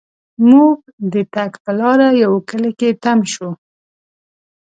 مونږ د تګ پر لار یوه کلي کې تم شوو.